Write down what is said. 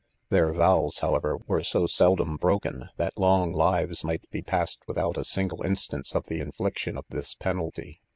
Their vow's, however, were bo seldom broken, that long lives might be passed without a single instance of the infliction of this penalty.